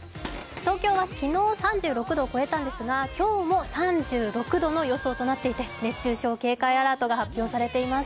東京は昨日、３６度を越えたんですが今日も３６度の予想となっていて熱中症警戒アラートが発表されています。